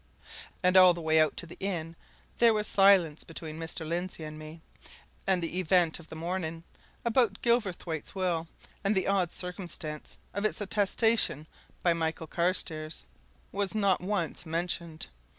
And all the way out to the inn there was silence between Mr. Lindsey and me, and the event of the morning, about Gilverthwaite's will, and the odd circumstance of its attestation by Michael Carstairs, was not once mentioned.